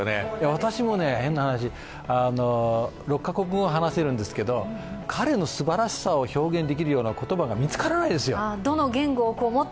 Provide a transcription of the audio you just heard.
私も変な話、６か国語を話せるんですけど彼のすばらしさを表現できるような言葉が見つからないですよ。